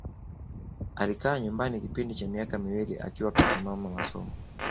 Alikaa nyumbani kipindi cha miaka miwili akiwa kasimama masomo